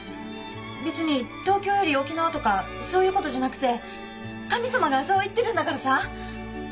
別に東京より沖縄とかそういうことじゃなくて神様がそう言ってるんだからさぁ。